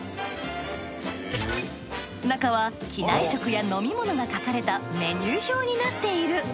中は機内食や飲み物が書かれたメニュー表になっている。